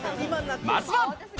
まずは。